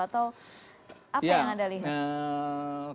atau apa yang anda lihat